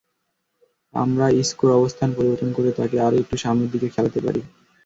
আমরা ইসকোর অবস্থান পরিবর্তন করে তাকে আরও একটু সামনের দিকে খেলাতে পারি।